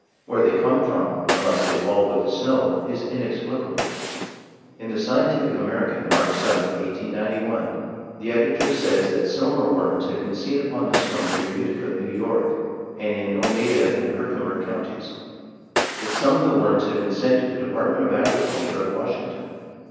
Where they come from, unless they fall with the snow is inexplicable." In the Scientific American, March 7, 1891, the Editor says that similar worms had been seen upon the snow near Utica, N.Y., and in Oneida and Herkimer Counties; that some of the worms had been sent to the Department of Agriculture at Washington.